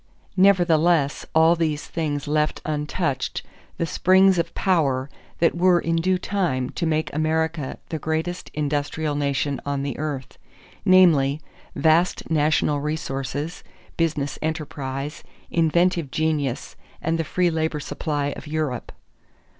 Nevertheless all these things left untouched the springs of power that were in due time to make America the greatest industrial nation on the earth; namely, vast national resources, business enterprise, inventive genius, and the free labor supply of Europe.